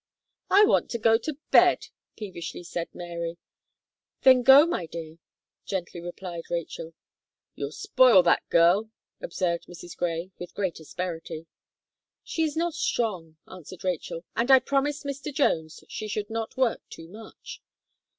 "I want to go to bed," peevishly said Mary. "Then go, my dear," gently replied Rachel. "You'll spoil that girl," observed Mrs. Gray, with great asperity. "She is not strong," answered Rachel; "and I promised Mr. Jones she should not work too much."